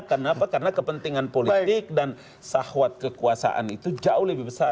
kenapa karena kepentingan politik dan sahwat kekuasaan itu jauh lebih besar